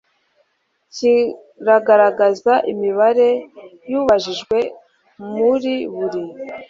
kiragaragaza imibare y ababajijwe muri buri